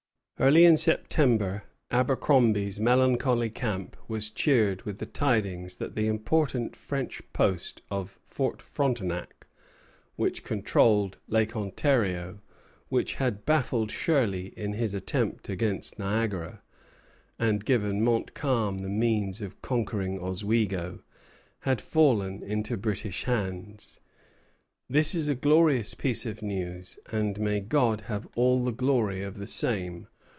Early in September Abercromby's melancholy camp was cheered with the tidings that the important French post of Fort Frontenac, which controlled Lake Ontario, which had baffled Shirley in his attempt against Niagara, and given Montcalm the means of conquering Oswego, had fallen into British hands. "This is a glorious piece of news, and may God have all the glory of the same!"